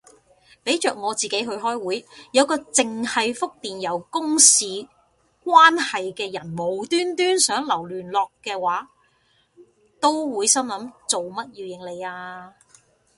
俾着我自己去開會，有個剩係覆電郵公事關係嘅人無端端想留聯絡嘅話，都會心諗做乜要應你啊